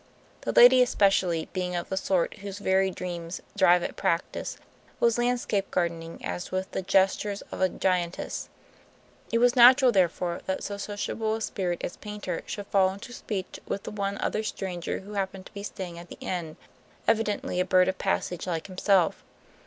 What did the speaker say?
The lady especially, being of the sort whose very dreams "drive at practice," was landscape gardening as with the gestures of a giantess. It was natural, therefore, that so sociable a spirit as Paynter should fall into speech with the one other stranger who happened to be staying at the inn, evidently a bird of passage like himself.